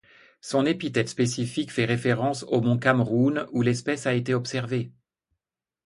Son épithète spécifique fait référence au mont Cameroun, où l'espèce a été observée.